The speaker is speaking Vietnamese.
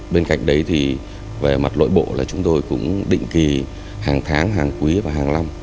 bên cạnh đấy thì về mặt nội bộ là chúng tôi cũng định kỳ hàng tháng hàng quý và hàng năm